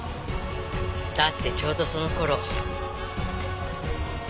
だってちょうどその頃。